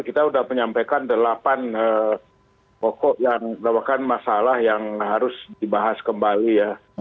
kita sudah menyampaikan delapan pokok yang merupakan masalah yang harus dibahas kembali ya